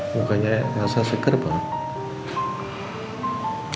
mukanya elsa seger banget